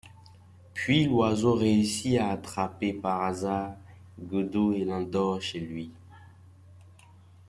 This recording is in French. Puis l'oiseau réussit à attraper par hasard Gudu et l'endort chez lui.